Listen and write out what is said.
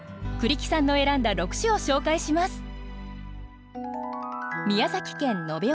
栗木さんの選んだ６首を紹介します。